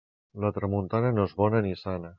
La tramuntana no és bona ni sana.